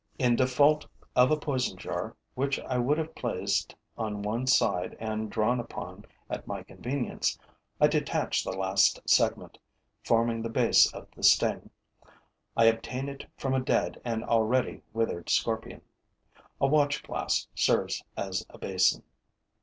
In default of a poison jar which I would have placed on one side and drawn upon at my convenience, I detach the last segment, forming the base of the sting. I obtain it from a dead and already withered scorpion. A watch glass serves as a basin.